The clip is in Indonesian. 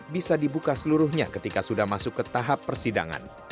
bisa dibuka seluruhnya ketika sudah masuk ke tahap persidangan